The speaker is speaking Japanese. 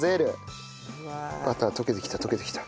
バター溶けてきた溶けてきた。